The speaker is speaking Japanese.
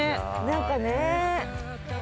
何かね。